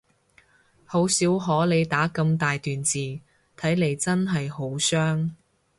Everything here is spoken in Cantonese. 好少可你打咁大段字，睇嚟真係好傷